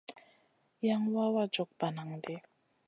Yan wawa jog bananʼ ɗi.